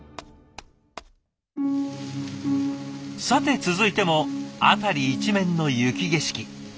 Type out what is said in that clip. さて続いても辺り一面の雪景色。